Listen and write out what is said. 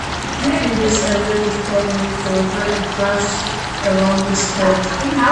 In this area, the trail leaves the river and climbs around this gorge.